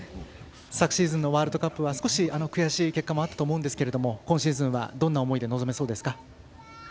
昨シーズンのワールドカップは少し悔しい結果もあったと思うんですけれども今シーズンはどんな思いで臨めそうですか？